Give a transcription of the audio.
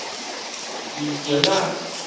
衣弓仔